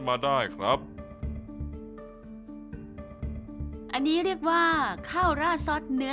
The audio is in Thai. ซุปไก่เมื่อผ่านการต้มก็จะเข้มขึ้น